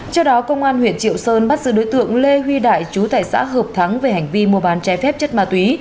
trước đó công an huyện triệu sơn bắt giữ đối tượng lê huy đại chú tài xã hợp thắng về hành vi mua bán trái phép chất ma túy